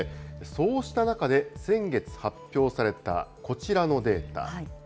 そうした中で、先月、発表されたこちらのデータ。